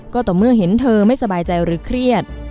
ก็ต่อเมื่อเห็นเธอไม่สบายใจหรือเครียด